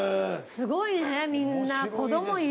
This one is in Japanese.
すごいねみんな。